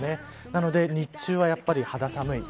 なので、日中は肌寒い。